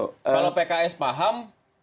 kalau pks paham